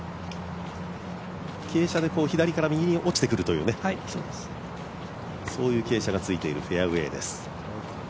傾斜で左から右に落ちてくるというそういう傾斜がついているフェアウエーです。